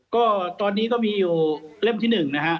ก็ตอนนี้ก็มีอยู่เล่มที่๑นะฮะ